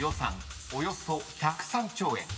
およそ１０３兆円］